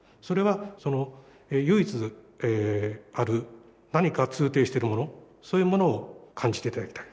それは唯一ある何か通底してるものそういうものを感じて頂きたい。